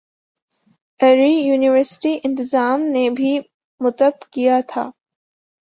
اری یونیورسٹی انتظام نے بھی متب کیا تھا